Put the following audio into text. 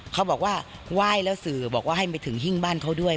เขาบอกว่าไหว้แล้วสื่อบอกว่าให้ไปถึงหิ้งบ้านเขาด้วย